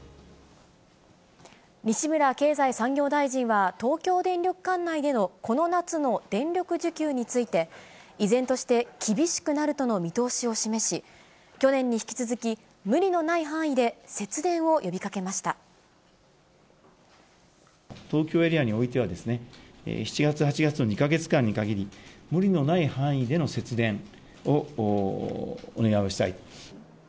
西村経済産業大臣は、東京電力管内でのこの夏の電力需給について、依然として厳しくなるとの見通しを示し、去年に引き続き、無理の東京エリアにおいては、７月、８月の２か月間にかぎり、無理のない範囲での節電をお願いをしたい。